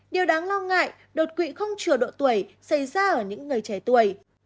điều đáng lo ngại đột quỵ không trừ độ tuổi xảy ra ở những người trẻ tuổi